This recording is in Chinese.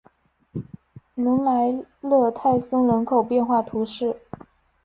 隆莱勒泰松人口变化图示